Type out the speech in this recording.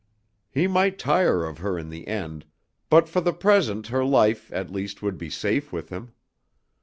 He might tire of her in the end, but for the present her life, at least, would be safe with him.